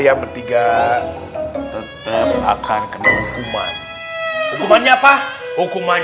iya pak ustadz tapi kan kita mau dipake buat perwakilan audisi besok ustadz